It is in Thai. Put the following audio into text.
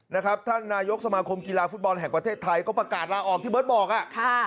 นะครับท่านนายกสมาคมกีฬาฟุตบอลแห่งประเทศไทยก็ประกาศลาออกที่เบิร์ตบอกอ่ะค่ะ